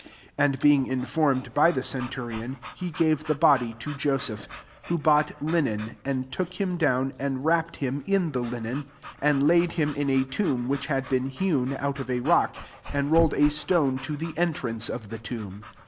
45 And being informed by the centurion, he gave the body to Joseph : 46 who bought linen, and took him down, and wrap ped him in the linen, and lud him in a tomb which had been hewn out of a reck, and rolled a stone to the entrance of the tomb.